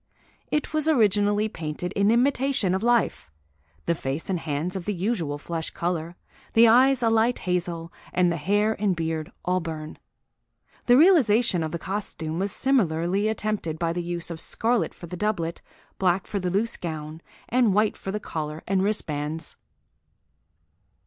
It was originally painted in imitation of life, the face and hands of the usual flesh colour, the eyes a light hazel, and the hair and beard auburn. The realisation of the costume was similarly attempted by the use of scarlet for the doublet, black for the loose gown, and white for the collar and wristbands."